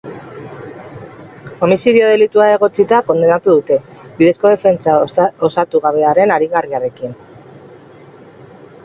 Homizidio-delitua egotzita kondenatu dute, bidezko defentsa osatugabearen aringarriarekin.